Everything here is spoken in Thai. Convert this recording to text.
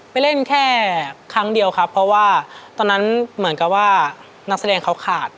ไปเล่นแค่ครั้งเดียวครับเพราะว่าตอนนั้นเหมือนกับว่านักแสดงเขาขาด